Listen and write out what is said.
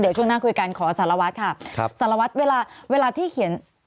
เดี๋ยวช่วงหน้าคุยกันขอสารวัตรค่ะครับสารวัตรเวลาเวลาที่เขียน